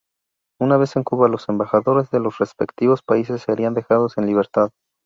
Una vez en Cuba, los embajadores de los respectivos países serían dejados en libertad.